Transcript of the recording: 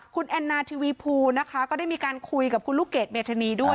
คุณแอนนาทีวีภูนินะคะได้มีการคุยกับรูเกจเบธซรีด้วย